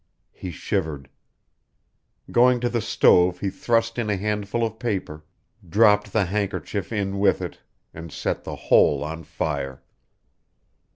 He shivered. Going to the stove he thrust in a handful of paper, dropped the handkerchief in with it, and set the whole on fire.